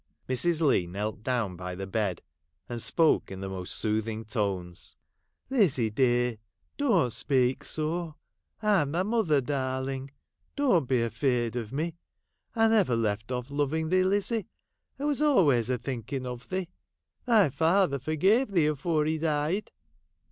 Mrs. Leigh knelt down by the bed, and spoke in the most soothing tones. ' Lizzie, dear, don't speak so. I 'm thy mother, darling ; don't be afeard of me. I never left off loving thee, Lizzie. I was always a thinking of thee. Thy father for gave thee afore he died.'